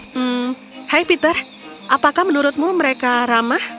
hmm hai peter apakah menurutmu mereka ramah